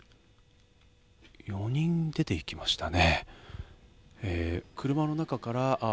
４人出ていきましたね。